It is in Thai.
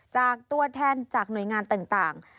จากตัวแทนจากหน่วยงานต่าง